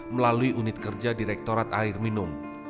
melalui unit kerja direktorat air minum